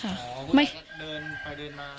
อ๋อผู้ตายก็เดินไปเดินมา